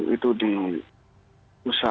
itu di pusat